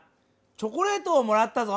チョコレートをもらったぞ。